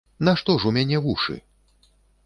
Нашто ж у мяне вушы?